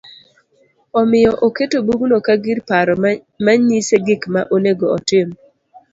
Omiyo oketo bugno ka gir paro ma nyise gik ma onego otim